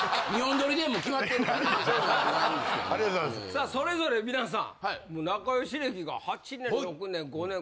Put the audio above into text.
さあそれぞれ皆さん仲良し歴が８年６年５年